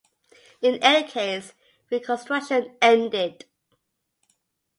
In any case, Reconstruction ended.